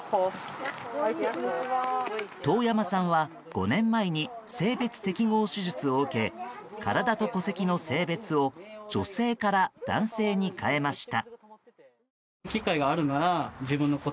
當山さんは５年前に性別適合手術を受け体と戸籍の性別を女性から男性に変えました。